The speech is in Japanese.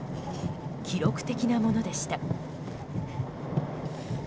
記録的なものでした。